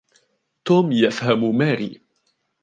توم يفهم ماري.